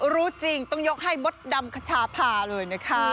รู้จริงต้องยกให้มดดำขชาพาเลยนะคะ